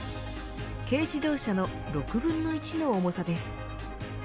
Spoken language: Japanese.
軽自動車の６分の１の重さです。